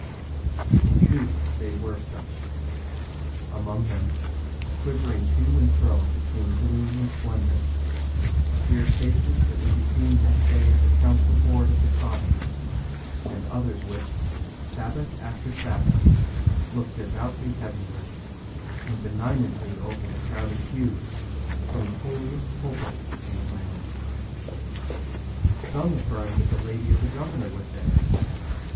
In truth they were such. Among them, quivering to and fro between gloom and splendor, appeared faces that would be seen next day at the council board of the province, and others which, Sabbath after Sabbath, looked devoutly heavenward, and benignantly over the crowded pews, from the holiest pulpits in the land. Some affirm that the lady of the governor was there.